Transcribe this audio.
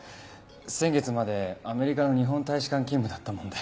先月までアメリカの日本大使館勤務だったもので。